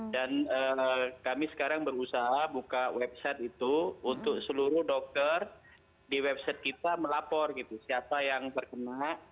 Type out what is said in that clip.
dan kami sekarang berusaha buka website itu untuk seluruh dokter di website kita melapor siapa yang terkena